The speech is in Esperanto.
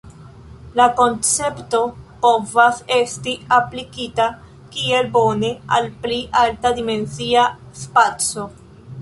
La koncepto povas esti aplikita kiel bone al pli alta-dimensia spaco.